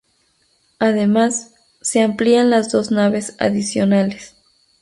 Además, se amplían las dos naves adicionales.